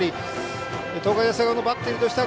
東海大菅生のバッテリーとすれば